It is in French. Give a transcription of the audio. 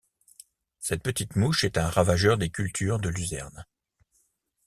Cette petite mouche est un ravageur des cultures de luzerne.